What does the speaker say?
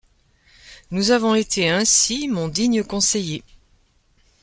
Nous avons été ainsi, mon digne conseiller !